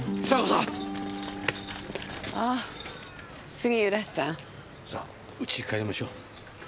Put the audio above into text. さぁ家へ帰りましょう。